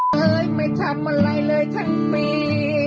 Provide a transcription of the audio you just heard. แปลงไม่ทำอะไรเลยท่านมี